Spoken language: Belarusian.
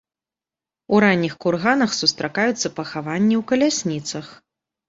У ранніх курганах сустракаюцца пахаванні ў калясніцах.